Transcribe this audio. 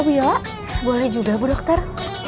bu yo boleh juga bu dokter